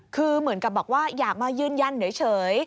คือเหมือนกับบอกว่าอยากมายืนยันเฉย